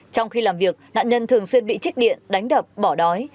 trong khi làm việc nạn nhân thường xuyên bị trích điện đánh đập bỏ đói